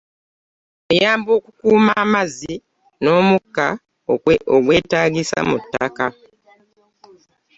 Eyamba okukuuma amazzi n’omukka ogwetaagisa mu ttaka.